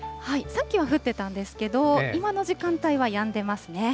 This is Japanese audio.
さっきは降ってたんですけど、今の時間帯はやんでますね。